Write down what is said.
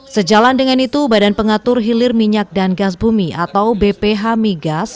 sejalan dengan itu badan pengatur hilir minyak dan gas bumi atau bph migas